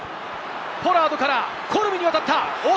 ポラードからコルビに渡った！